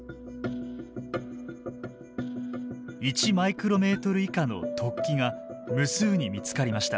１マイクロメートル以下の突起が無数に見つかりました。